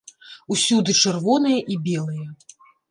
Усюды чырвоныя і белыя.